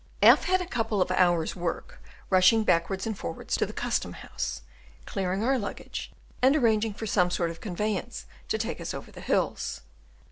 F had a couple of hours' work rushing backwards and forwards to the Custom House, clearing our luggage, and arranging for some sort of conveyance to take us over the hills.